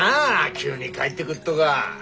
急に帰ってくっとが。